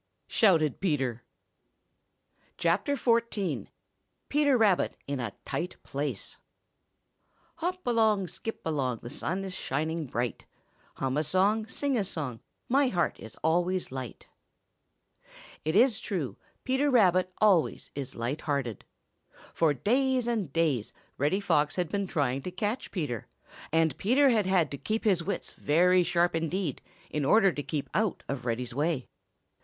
shouted Peter Rabbit. XIV. PETER RABBIT IN A TIGHT PLACE "Hop along, skip along, The sun is shining bright; Hum a song, sing a song, My heart is always light." |IT is true, Peter Rabbit always is light hearted. For days and days Reddy Fox had been trying to catch Peter, and Peter had had to keep his wits very sharp indeed in order to keep out of Reddy's way.